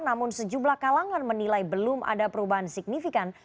namun sejumlah kalangan menilai belum ada perubahan signifikan